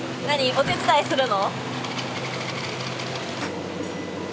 お手伝いするの？